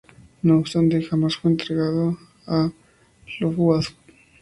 No obstante, jamás fue entregado a la Luftwaffe.